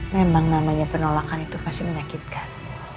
memang namanya penolakan itu pasti menyakitkan